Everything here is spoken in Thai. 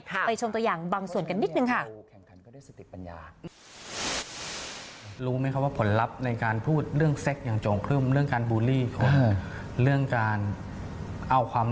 ไปชมตัวอย่างบางส่วนกันนิดนึงค่ะ